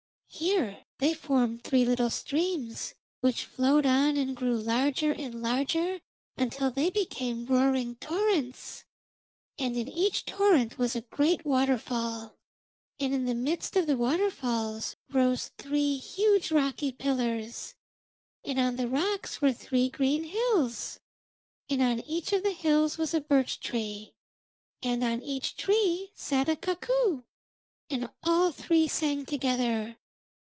Here they formed three little streams, which flowed on and grew larger and larger until they became roaring torrents, and in each torrent was a great waterfall. And in the midst of the waterfalls rose three huge rocky pillars, and on the rocks were three green hills, and on each of the hills was a birch tree, and on each tree sat a cuckoo. And all three sang together.